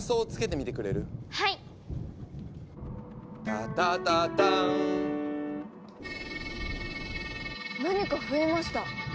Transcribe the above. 「タタタターン」何か増えました。